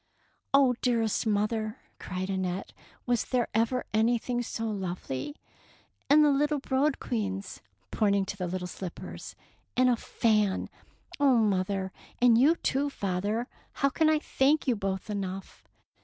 '' Oh, dearest mother,'^ cried Annette, "was there ever anything so lovely; and the little brodequins," pointing to the little slippers, "and a fan! Oh, mother, and you, too, father, how can I thank you both enough?